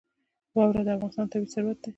واوره د افغانستان طبعي ثروت دی.